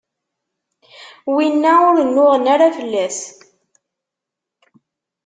winna, ur nnuɣen ara fell-as.